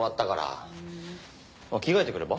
着替えてくれば？